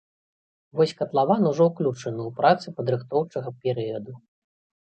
Вось катлаван ужо ўключаны ў працы падрыхтоўчага перыяду.